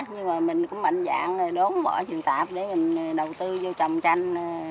nhưng mà mình cũng mạnh dạng đốn bỏ vườn tạp để mình đầu tư vô trồng chanh